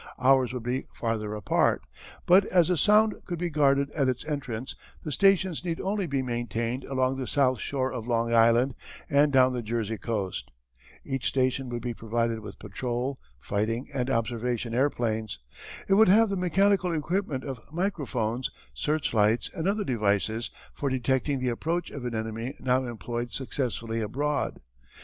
Ours would be farther apart, but as the Sound could be guarded at its entrance the stations need only be maintained along the south shore of Long Island and down the Jersey coast. Each station would be provided with patrol, fighting, and observation airplanes. It would have the mechanical equipment of microphones, searchlights, and other devices for detecting the approach of an enemy now employed successfully abroad.